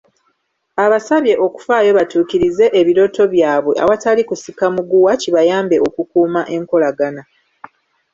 Abasabye okufaayo batuukirize ebirooto byabwe awatali kusika muguwa kibayambe okukuuma enkolagana.